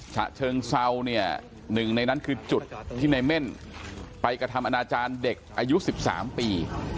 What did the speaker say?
ฉะเชิงเศราเนี่ยหนึ่งในนั้นคือจุดที่ไปกระทำอุณาจารย์เด็กอายุสิบสามปี